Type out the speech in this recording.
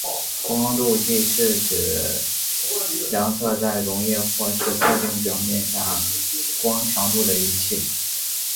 光度计是指量测在溶液或是特定表面下光强度的仪器。